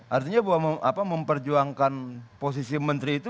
artinya bahwa memperjuangkan posisi menteri itu